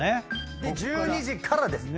で１２時からですよ。